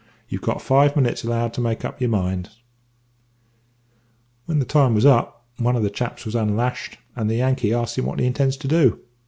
You've got five minutes allowed to make up your minds.' "When the time was up, one of the chaps was unlashed, and the Yankee asks him what he intends to do.